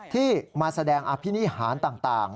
ที่มาแสดงอภินิหารต่าง